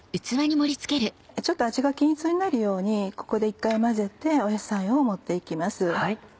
ちょっと味が均一になるようにここで一回混ぜて野菜を盛っていきます。